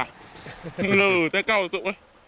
หลือแต่ก้าวสุด